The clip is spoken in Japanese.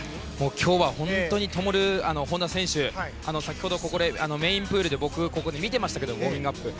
今日は本当に本多選手は先ほどメインプールで僕、ここで見ていましたけどウォーミングアップを。